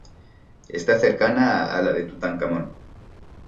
Está cercana a la de Tutankamón.